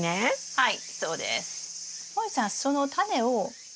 はい。